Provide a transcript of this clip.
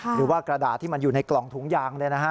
หรือว่ากระดาษที่มันอยู่ในกล่องถุงยางเลยนะฮะ